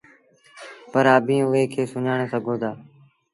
پر اڀيٚنٚ اُئي کي سُڃآڻي سگھو دآ